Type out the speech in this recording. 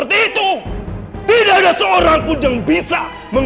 ratu kanjeng seems